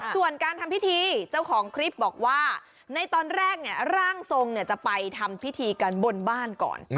ส่วนการทำพิธีเจ้าของคลิปบอกว่าในตอนแรกร่างทรงจะไปทำพิธีกันบนบ้านก่อน